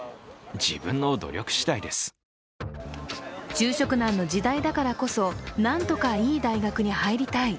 就職難の時代だからこそなんとかいい大学に入りたい。